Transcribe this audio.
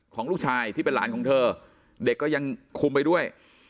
ของลูกชายที่เป็นหลานของเธอเด็กก็ยังคุมไปด้วย